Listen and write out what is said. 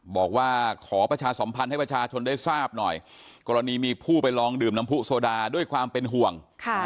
บอกว่าขอประชาสัมพันธ์ให้ประชาชนได้ทราบหน่อยกรณีมีผู้ไปลองดื่มน้ำผู้โซดาด้วยความเป็นห่วง